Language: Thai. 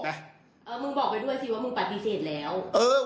มึงบอกไปด้วยสิว่ามึงปฏิเสธแล้ว